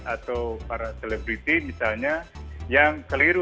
atau para selebriti misalnya yang keliru di dalam